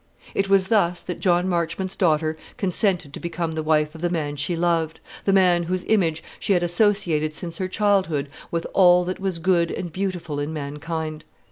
It was thus that John Marchmont's daughter consented to become the wife of the man she loved, the man whose image she had associated since her childhood with all that was good and beautiful in mankind.